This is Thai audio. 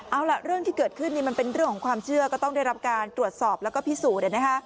เอาล่ะเรื่องที่เกิดขึ้นมันเป็นเรื่องของความเชื่อก็ต้องได้รับการตรวจสอบแล้วก็พิสูจน์